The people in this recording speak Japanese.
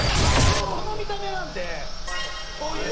でもこの見た目なんでこういう。